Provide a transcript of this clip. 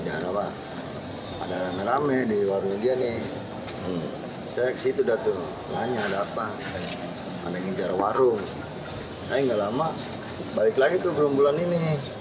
dia melakukan penusukan